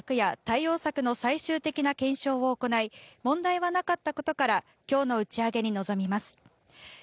ＪＡＸＡは昨夜、対応策の最終的な検証を行い、問題はなかったことから今日の打ち上げに臨みます。